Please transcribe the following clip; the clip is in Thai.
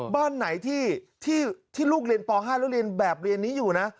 บ้านไหนที่ลูกเรียนป๕แล้วเรียนแบบเรียนนี้อยู่นะ